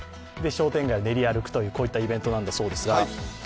商店街を練り歩くといったイベントなんだそうですが。